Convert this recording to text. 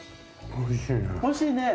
おいしいね。